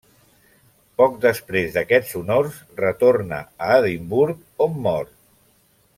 Poc després d'aquests honors, retorna a Edimburg on mor.